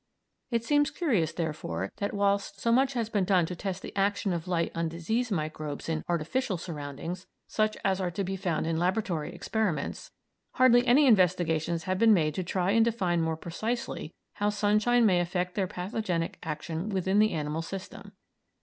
It seems curious, therefore, that whilst so much has been done to test the action of light on disease microbes in artificial surroundings, such as are to be found in laboratory experiments, hardly any investigations have been made to try and define more precisely how sunshine may affect their pathogenic action within the animal system.